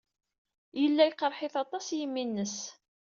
Yella yeqreḥ-it aṭas yimi-nnes.